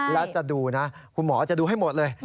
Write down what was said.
และจะดูนะคุณหมอจะดูให้หมดเลย